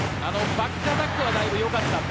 バックアタックはだいぶよかったんだ。